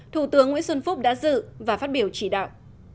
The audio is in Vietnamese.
thủ tướng nguyễn xuân phúc đã dự và phát biểu chỉ đạo